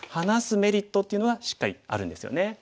メリットっていうのはしっかりあるんですよね。